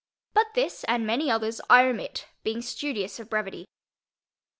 But this, and many others, I omit, being studious of brevity.